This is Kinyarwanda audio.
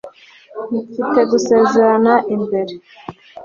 mfite gusezerana mbere